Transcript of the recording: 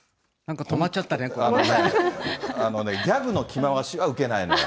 あのね、ギャグの着回しは受けないのよ。